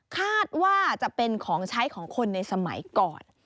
คาดว่าจะเป็นของใช้ของคนในสมัยก่อน